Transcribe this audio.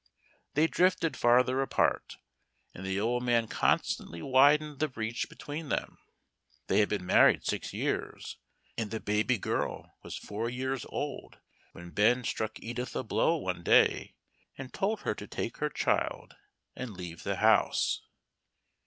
They drifted farther apart, and the old man constantly widened the breach between them. They had been married six years, and the baby girl was four years old, when Ben struck Edith a blow, one day, and told her to take her child and leave the house.